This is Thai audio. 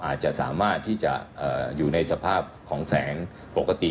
อาจจะสามารถที่จะอยู่ในสภาพของแสงปกติ